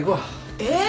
えっ？